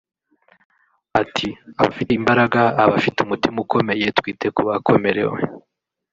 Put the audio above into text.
Ati “Abafite imbaraga abafite umutima ukomeye twite kubakomerewe